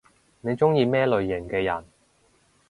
你中意咩類型嘅人？